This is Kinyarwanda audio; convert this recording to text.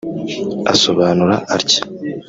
Asobanura atya